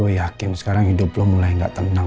yakin sekarang hidup lo mulai gak tenang